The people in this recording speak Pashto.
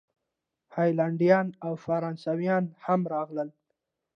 هالینډیان او فرانسویان هم راغلل.